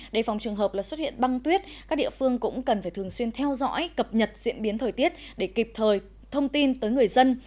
đề phòng trường hợp xuất hiện băng tuyết các địa phương cũng cần phải thường xuyên theo dõi cập nhật diễn biến thời tiết để kịp thời thông tin tới người dân